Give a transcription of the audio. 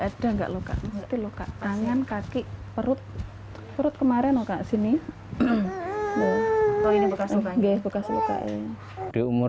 ada enggak luka luka tangan kaki perut perut kemarin oh kak sini ini bekas luka di umur